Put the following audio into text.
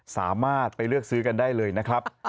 สามารถไปเลือกซื้อกันได้เลยนะครับ